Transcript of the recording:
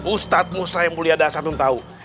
ustadz musa yang mulia dasar untuk tahu